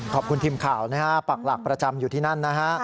ขอบคุณทีมข่าวนะครับปากหลักประจำอยู่ที่นั่น